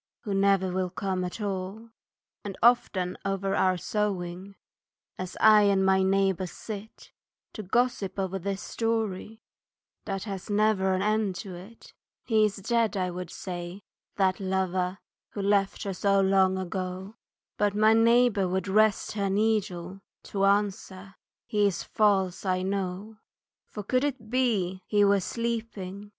Who never will come at all. And often over our sewing, As I and my neighbour sit To gossip over this story That has never an end to it, "He is dead," I would say, "that lover, Who left her so long ago," But my neighbour would rest her needle To answer, "He's false I know." "For could it be he were sleeping.